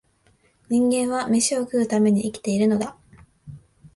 人間は、めしを食うために生きているのだ